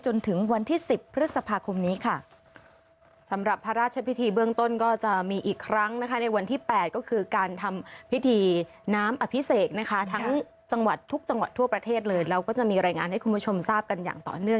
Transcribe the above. จนถึงวันที่๑๐พฤษภาคมนี้ค่ะ